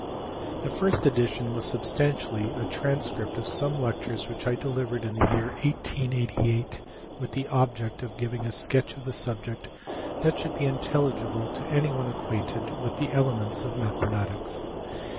The first edition was substantially a transcript of some lectures which I delivered in the year 1888 with the object of giving a sketch of the subject that should be intelligible to any one acquainted with the elements of mathematics.